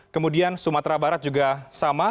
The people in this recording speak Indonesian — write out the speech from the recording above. kemudian sumatera barat juga sama